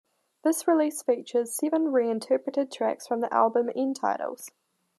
This release features seven re-interpreted tracks from the album End Titles...